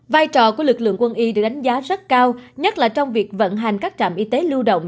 vai trò của lực lượng quân y được đánh giá rất cao nhất là trong việc vận hành các trạm y tế lưu động